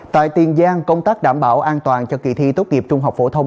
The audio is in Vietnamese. tại tiền giang công tác đảm bảo an toàn cho kỳ thi tốt nghiệp trung học phổ thông